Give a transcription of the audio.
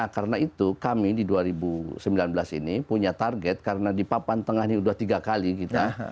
karena itu kami di dua ribu sembilan belas ini punya target karena di papan tengah ini sudah tiga kali kita